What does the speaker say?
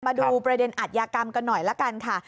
มาดูประเด็นอัธยากรรมกันหน่อยละกันค่ะ